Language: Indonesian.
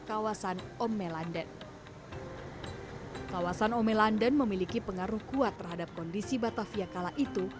kawasan omelanden kawasan omelanden memiliki pengaruh kuat terhadap kondisi batavia kalaisimu